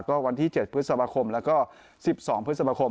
ก็วันที่๗พฤษภาคมแล้วก็๑๒พฤษภาคม